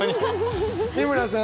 美村さん